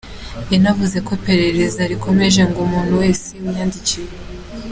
Yanavuze ko iperereza rikomeje ngo umuntu wese wijandika mu bikorwa nk’ibi ashyikirizwe ubutabera.